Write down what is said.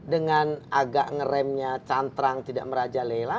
dengan agak ngeremnya cantrang tidak merajalela